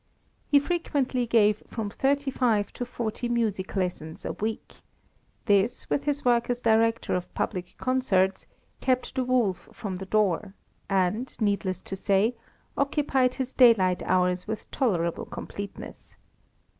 He frequently gave from thirty five to forty music lessons a week; this, with his work as director of public concerts, kept the wolf from the door, and, needless to say, occupied his daylight hours with tolerable completeness.